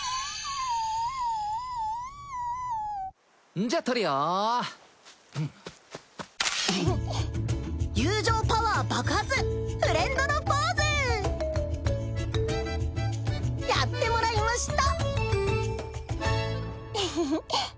んじゃ撮るよ友情パワー爆発フレンドのポーズやってもらいました